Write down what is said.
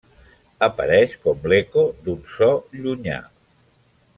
Apareix com l'eco d'un so llunyà.